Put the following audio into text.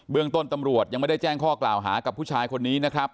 เรื่องต้นตำรวจยังไม่ได้แจ้งข้อกล่าวหากับผู้ชายคนนี้นะครับ